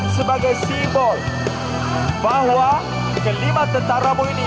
sebagai simbol bahwa kelima tentara mu ini